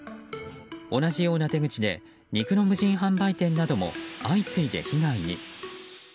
同じような手口で、肉の無人販売店なども相次いで被害に。